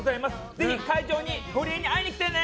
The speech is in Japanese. ぜひ会場にゴリエに会いに来てね！